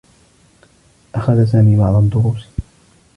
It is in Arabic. أخذ سامي بعض الدّروس.